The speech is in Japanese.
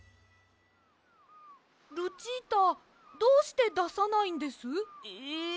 ルチータどうしてださないんです？え！？